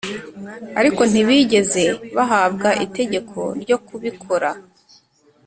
ariko ntibigeze bahabwa itegeko ryo kubikora